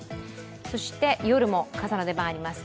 そして、夜も傘の出番あります。